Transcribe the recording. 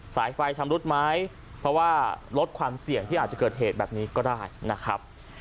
สายไฟชำรุดไหมเพราะว่าลดความเสี่ยงที่อาจจะเกิดเหตุแบบนี้ก็ได้นะครับ